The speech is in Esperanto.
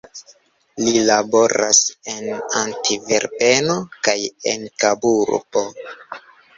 Li laboras en Antverpeno kaj en Kaburbo.